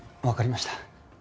わかりました。